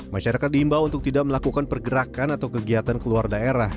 masyarakat diimbau untuk tidak melakukan pergerakan atau kegiatan keluar daerah